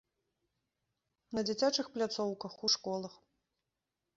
На дзіцячых пляцоўках, у школах.